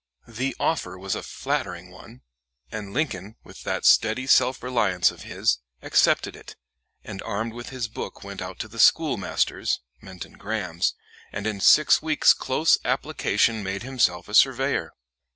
The offer was a flattering one, and Lincoln, with that steady self reliance of his, accepted it, and armed with his book went out to the schoolmaster's (Menton Graham's), and in six weeks' close application made himself a surveyor.